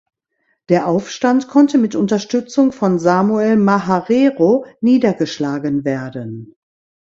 Der Aufstand konnte mit Unterstützung von Samuel Maharero niedergeschlagen werden.